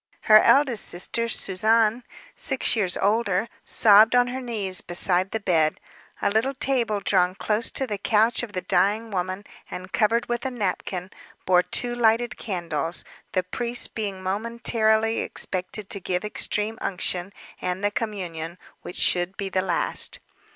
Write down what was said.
Her eldest sister, Suzanne, six years older, sobbed on her knees beside the bed. A little table drawn close to the couch of the dying woman, and covered with a napkin, bore two lighted candles, the priest being momentarily expected to give extreme unction and the communion, which should be the last.